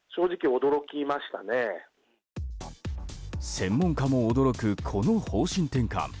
専門家も驚く、この方針転換。